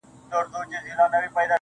ولاكه مو په كار ده دا بې ننگه ككرۍ.